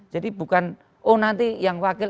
jadi bukan oh nanti yang wakil